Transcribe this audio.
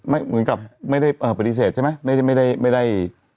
เหมือนกับไม่ได้เอ่อปฏิเสธใช่ไหมไม่ได้ไม่ได้